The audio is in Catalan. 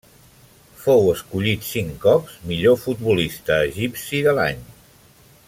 Fou escollit cinc cops millor futbolista egipci de l'any.